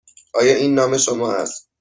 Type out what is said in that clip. آیا این نام شما است؟